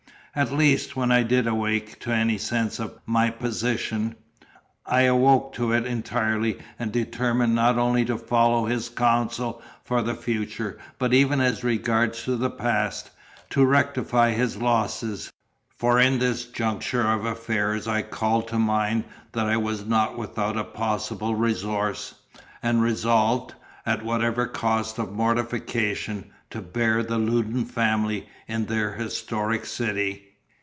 At least, when I did awake to any sense of my position, I awoke to it entirely; and determined not only to follow his counsel for the future, but even as regards the past, to rectify his losses. For in this juncture of affairs I called to mind that I was not without a possible resource, and resolved, at whatever cost of mortification, to beard the Loudon family in their historic city.